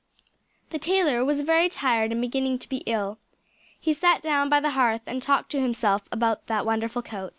The tailor was very tired and beginning to be ill. He sat down by the hearth and talked to himself about that wonderful coat.